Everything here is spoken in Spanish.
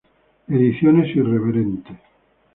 Ediciones Irreverentes.